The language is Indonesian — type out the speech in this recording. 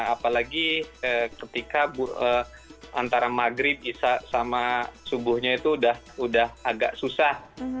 apalagi ketika antara maghrib isa sama subuhnya itu sudah agak susah